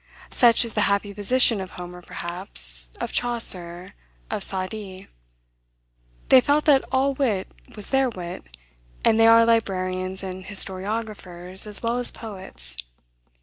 Such is the happy position of Homer, perhaps; of Chaucer, of Saadi. They felt that all wit was their wit. And they are librarians and historiographers, as well as poets.